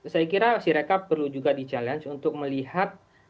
saya kira si rekap perlu juga di challenge untuk melihat